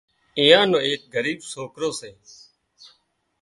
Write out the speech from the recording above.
ايئا نو ايڪ ڳريٻ سوڪرو سي